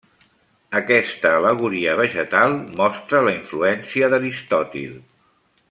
Aquesta al·legoria vegetal mostra la influència d'Aristòtil.